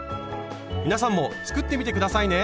皆さんも作ってみて下さいね！